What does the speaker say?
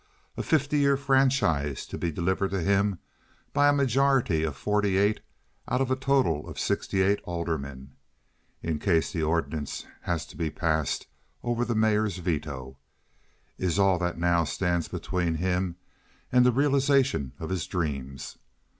A fifty year franchise, to be delivered to him by a majority of forty eight out of a total of sixty eight aldermen (in case the ordinance has to be passed over the mayor's veto), is all that now stands between him and the realization of his dreams.